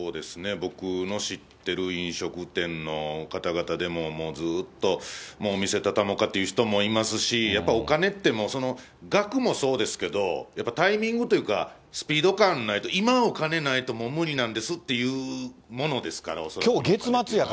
僕の知ってる飲食店の方々でも、もうずっともうお店畳もうかっていう人もいますし、やっぱお金ってその額もそうですけども、やっぱりタイミングというか、スピード感ないと、今お金ないともう無理なんですっていうものですから、恐らく。